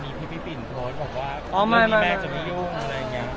และเพลงใหม่ที่ทุกคนรอด้วยนะคะ